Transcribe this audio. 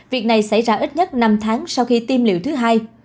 việc này xảy ra ít nhất năm tháng sau khi tiêm liệu thứ hai